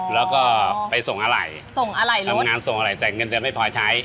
อ๋อแล้วก็ไปส่งอะไหล่ทำงานส่งอะไหล่จัดเงินเดือนไม่พอใช้